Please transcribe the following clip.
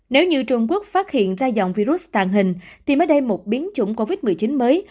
nếu như trung quốc phát hiện ra dòng virus tàn hình thì mới đây một biến chủng covid một mươi chín mới